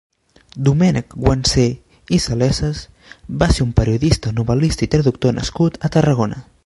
Domènec Guansé i Salesas va ser un periodista, novel·lista i traductor nascut a Tarragona.